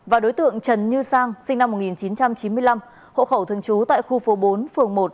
và đối tượng trần như sang sinh năm một nghìn chín trăm chín mươi năm hộ khẩu thường trú tại khu phố bốn phường một